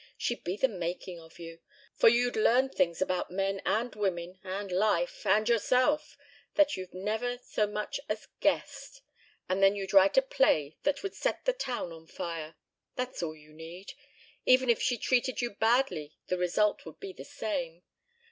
She'd be the making of you, for you'd learn things about men and women and life and yourself that you've never so much as guessed. And then you'd write a play that would set the town on fire. That's all you need. Even if she treated you badly the result would be the same.